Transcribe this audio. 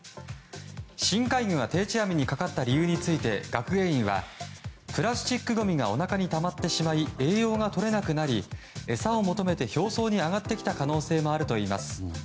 深海魚が定置網にかかった理由について、学芸員はプラスチックごみがおなかにたまってしまい栄養が取れなくなり餌を求めて表層に上がってきた可能性もあるといいます。